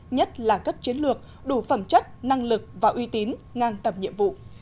nhất là cấp chiến lược đủ phẩm chất năng lực và uy tín ngang tầm nhiệm vụ